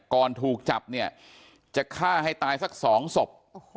ก่อนถูกจับเนี่ยจะฆ่าให้ตายสัก๒ศพ